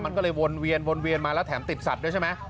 มันก็เลยวนเวียนมาแล้วแถมติดสัตว์ด้วยใช่มั้ย